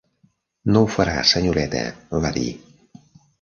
"No ho farà, senyoreta", va dir.